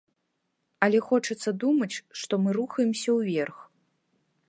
Але хочацца думаць, што мы рухаемся ўверх.